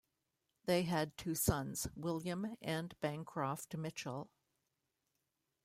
They had two sons: William and Bancroft Mitchell.